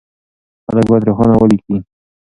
خلک بايد روښانه وليکي.